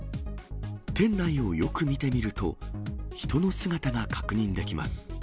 店内をよく見てみると、人の姿が確認できます。